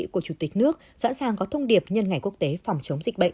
chủ tịch nước sẵn sàng có thông điệp nhân ngày quốc tế phòng chống dịch bệnh